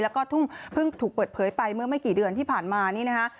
แล้วก็เพิ่งถูกเปิดเผยไปเมื่อไม่กี่เดือนที่ผ่านมานี่นะคะ